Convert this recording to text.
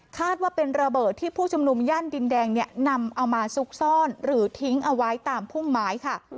คาดว่าเป็นระเบิดที่ผู้ชุมนุมย่านดินแดงเนี่ยนำเอามาซุกซ่อนหรือทิ้งเอาไว้ตามพุ่มไม้ค่ะ